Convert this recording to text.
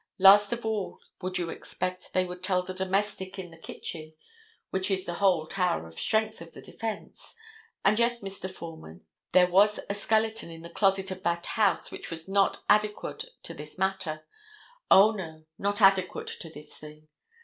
Last of all would you expect they would tell the domestic in the kitchen, which is the whole tower of strength of the defense, and yet, Mr. Foreman, there was a skeleton in the closet of that house which was not adequate to this matter—O, no, not adequate to this thing.